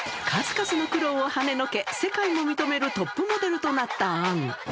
数々の苦労をはねのけ、世界も認めるトップモデルとなった杏。